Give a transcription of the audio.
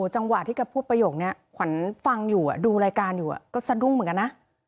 จังหวะที่แกพูดประโยคนี้ขวัญฟังอยู่ดูรายการอยู่ก็สะดุ้งเหมือนกันนะ